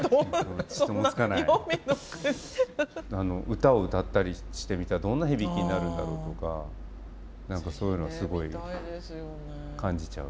歌を歌ったりしてみたらどんな響きになるんだろうとか何かそういうのすごい感じちゃう。